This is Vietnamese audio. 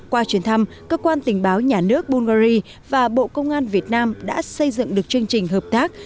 qua chuyến thăm cơ quan tình báo nhà nước bungary và bộ công an việt nam đã xây dựng được chương trình hợp tác